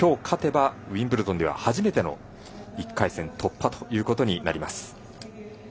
きょう、勝てばウィンブルドンでは初めての１回戦突破ということになります。